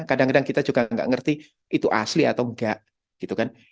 kadang kadang kita juga enggak ngerti itu asli atau enggak